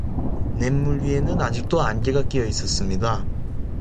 냇물 위에는 아직도 안개가 끼어 있었습니다.